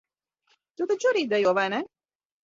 Tu taču arī dejo, vai ne?